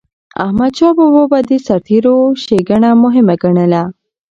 احمدشاه بابا به د سرتيرو ښيګڼه مهمه ګڼله.